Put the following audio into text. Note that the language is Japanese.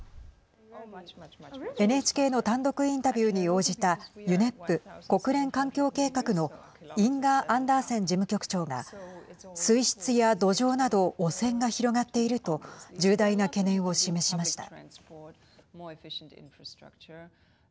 ＮＨＫの単独インタビューに応じたＵＮＥＰ＝国連環境計画のインガー・アンダーセン事務局長が水質や土壌など汚染が広がっていると重大な懸念を示しました。